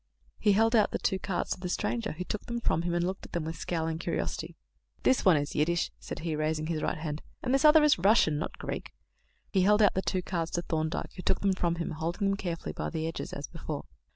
He held out the two cards to the stranger, who took them from him, and looked at them with scowling curiosity. "This one is Yiddish," said he, raising his right hand, "and this other is Russian, not Greek." He held out the two cards to Thorndyke, who took them from him, holding them carefully by the edges as before.